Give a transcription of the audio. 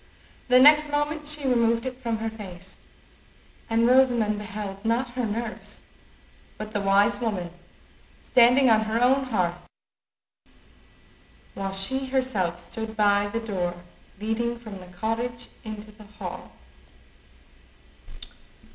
The next moment she removed it from her face, and Rosamond beheld—not her nurse, but the wise woman—standing on her own hearth, while she herself stood by the door leading from the cottage into the hall.